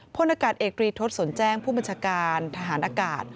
พลอากาศเอกตรีทศสนแจ้งผู้บัญชาการทหารอากาศ